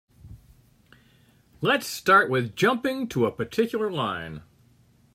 Let's start with jumping to a particular line.